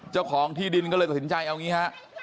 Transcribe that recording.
เจ้าของที่ดินก็เลยตัดสินใจเอางี้ฮะ